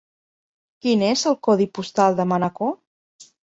Quin és el codi postal de Manacor?